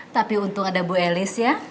tapi untung ada bu elis ya